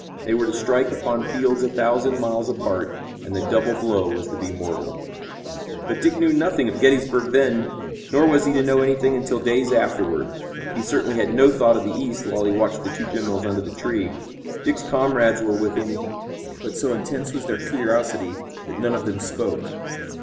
They were to strike upon fields a thousand miles apart, and the double blow was to be mortal. But Dick knew nothing of Gettysburg then, nor was he to know anything until days afterward. He certainly had no thought of the East while he watched the two generals under the tree. Dick's comrades were with him, but so intense was their curiosity that none of them spoke.